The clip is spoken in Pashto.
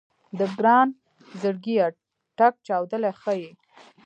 د ګران زړګيه ټک چاودلی ښه يې